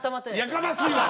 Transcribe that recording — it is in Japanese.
やかましいわ！